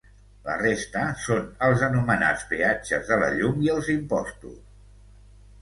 La resta, són els anomenats peatges de la llum i els imposts.